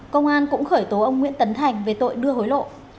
công an cũng khởi tố ông nguyễn tấn thành về tội đưa hối lộ